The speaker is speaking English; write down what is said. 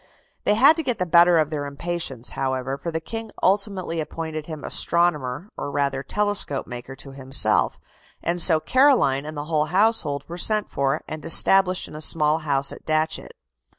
They had to get the better of their impatience, however, for the King ultimately appointed him astronomer or rather telescope maker to himself, and so Caroline and the whole household were sent for, and established in a small house at Datchet.